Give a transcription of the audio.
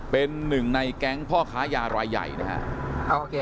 เป็นหนึ่งในแก๊งพ่อค้ายารายใหญ่นะครับ